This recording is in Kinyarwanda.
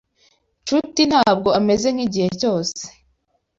Nshuti ntabwo ameze nkigihe cyose.